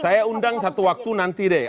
saya undang satu waktu nanti deh